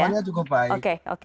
alur penontonnya cukup baik